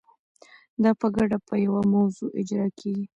دا په ګډه په یوه موضوع اجرا کیږي.